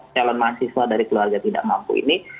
calon mahasiswa dari keluarga tidak mampu ini